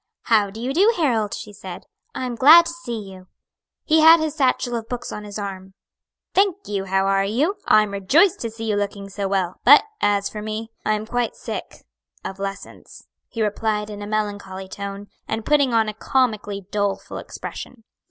"How do you do, Harold?" she said; "I am glad to see you." He had his satchel of books on his arm. "Thank you, how are you? I am rejoiced to see you looking so well, but, as for me, I am quite sick of lessons," he replied in a melancholy tone, and putting on a comically doleful expression.